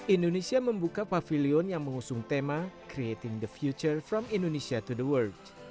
indonesia membuka pavilion yang mengusung tema creating the future from indonesia to the world